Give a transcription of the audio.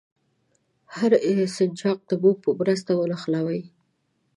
هر سنجاق د موم په مرسته ونښلوئ.